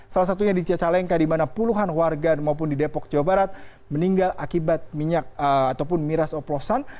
salah satunya di cicalengka di mana puluhan warga maupun di depok jawa barat meninggal akibat minyak ataupun miras oplosan